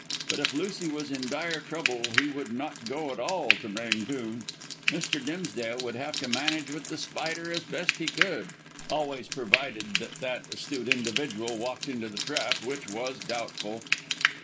But if Lucy was in dire trouble he would not go at all to "Rangoon." Mr. Dimsdale would have to manage with The Spider as best he could. Always provided that that astute individual walked into the trap, which was doubtful.